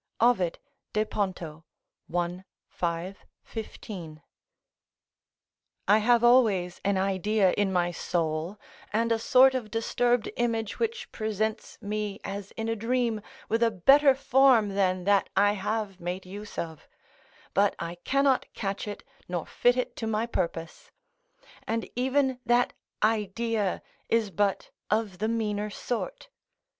Ovid, De Ponto, i. 5, 15.] I have always an idea in my soul, and a sort of disturbed image which presents me as in a dream with a better form than that I have made use of; but I cannot catch it nor fit it to my purpose; and even that idea is but of the meaner sort.